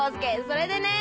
それでね。